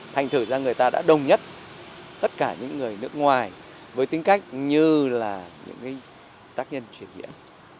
thành thử ra người ta đã đồng nhất tất cả những người nước ngoài với tính cách như là những tác nhân truyền diễn